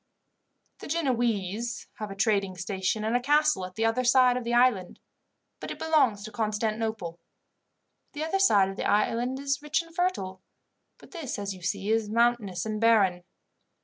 "The Genoese have a trading station and a castle at the other side of the island, but it belongs to Constantinople. The other side of the island is rich and fertile, but this, as you see, is mountainous and barren.